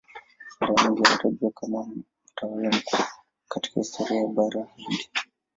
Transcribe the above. Mara nyingi anatajwa kama mtawala mkuu katika historia ya Bara Hindi.